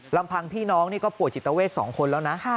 ลำพังพี่น้องนี่ก็ป่วยจิตเวท๒คนแล้วนะ